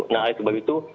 nah itu baru itu